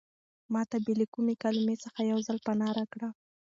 ما ته بې له کومې کلمې څخه یو ځل پناه راکړه.